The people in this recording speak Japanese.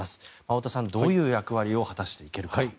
太田さん、どういう役割を果たしていけるか。